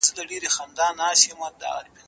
که يو غړی خوږ سي ټول بدن ناارامه وي.